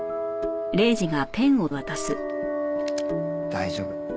大丈夫。